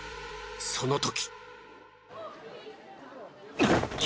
その時。